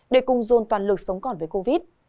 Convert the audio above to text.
để cùng dồn toàn lực sống còn với covid